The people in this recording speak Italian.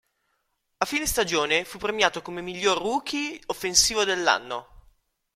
A fine stagione fu premiato come miglior rookie offensivo dell'anno.